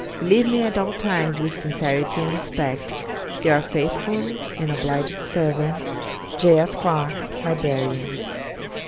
'Believe me at all times with sincerity and respect, your faithful and obliged servant, 'J. S. CLARKE, Librarian.'